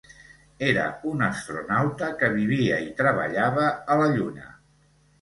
Era un astronauta que vivia i treballava a la Lluna.